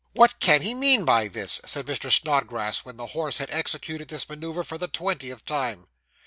'What can he mean by this?' said Mr. Snodgrass, when the horse had executed this manoeuvre for the twentieth time.